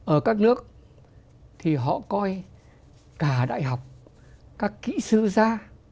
ở các nước thì họ coi cả đại học các kỹ sư gia